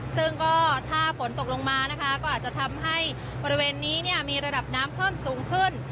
ซึ่งก็ถ้าฝนตกลงมานะคะก็อาจจะทำให้บริเวณนี้เนี่ยมีระดับน้ำเพิ่มสูงขึ้น